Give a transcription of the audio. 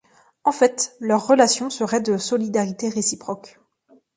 En fait, leur relation serait de solidarité réciproque.